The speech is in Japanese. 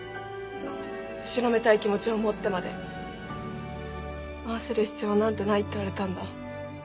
後ろめたい気持ちを持ってまで合わせる必要なんてないって言われたんだ